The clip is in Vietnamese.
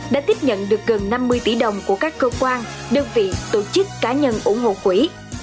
đã tiếp nhận được gần năm mươi tỷ đồng của các cơ quan đơn vị tổ chức cá nhân ủng hộ quỹ